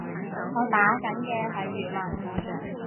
我打緊嘅係粵文